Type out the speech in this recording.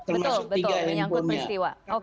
termasuk tiga handphonenya